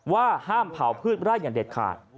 ว่าห้ามเผาพืชไร่อย่างเด็ดขาด